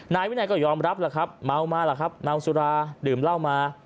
นายวินัยก็ยอมรับแล้วครับเม้าสุราดื่มเหล้ามา